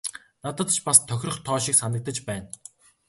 Надад ч бас тохирох тоо шиг санагдаж байна.